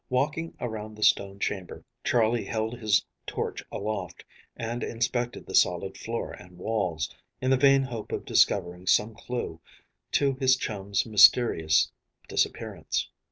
Walking around the stone chamber, Charley held his torch aloft and inspected the solid floor and walls, in the vain hope of discovering some clew to his chum's mysterious disappearance.